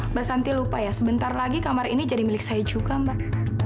mbak santi lupa ya sebentar lagi kamar ini jadi milik saya juga mbak